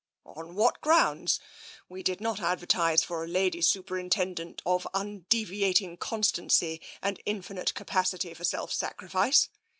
"On what grounds? We did not advertise for a Lady Superintendent of undeviating constancy and infinite capacity for self sacrifice.